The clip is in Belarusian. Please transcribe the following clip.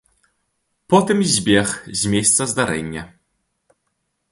Потым збег з месца здарэння.